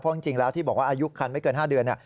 เพราะจริงแล้วที่บอกว่าอายุคันไม่เกิน๕เดือน